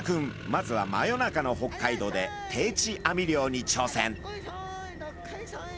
まずは真夜中の北海道で定置網漁にちょうせん。